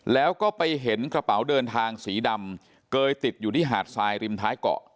แล้วก็ไปเห็นกระเป๋าเดินทางสีดำเกยติดอยู่ที่หาดทรายริมท้ายเกาะ